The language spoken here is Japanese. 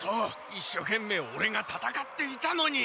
一所懸命オレがたたかっていたのに。